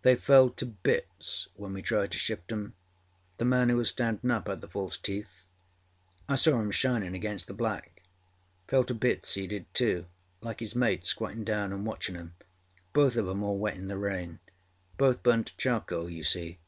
They fell to bits when we tried to shift âem. The man who was standinâ up had the false teeth. I saw âem shininâ against the black. Fell to bits he did too, like his mate squatting down anâ watchinâ him, both of âem all wet in the rain. Both burned to charcoal, you see.